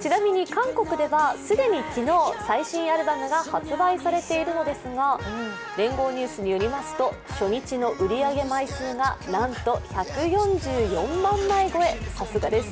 ちなみに韓国では既に昨日最新アルバムが発売されているのですが聯合ニュースによりますと初日の売り上げ枚数がなんと１４４万枚超え、さすがです。